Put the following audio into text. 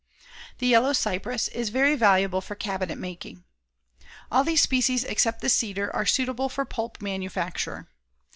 The yellow cypress is very valuable for cabinet making. All these species except the cedar are suitable for pulp manufacture.